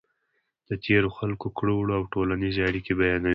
د تېرو خلکو کړو وړه او ټولنیزې اړیکې بیانوي.